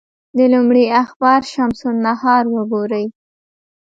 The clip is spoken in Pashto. د لومړي اخبار شمس النهار وګوري.